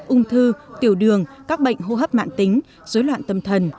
ung thư tiểu đường các bệnh hô hấp mạng tính dối loạn tâm thần